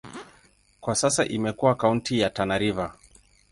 Kwa sasa imekuwa kaunti ya Tana River.